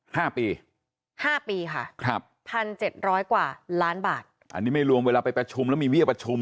ห้าปีห้าปีค่ะครับพันเจ็ดร้อยกว่าล้านบาทอันนี้ไม่รวมเวลาไปประชุมแล้วมีเบี้ยประชุม